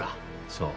そう。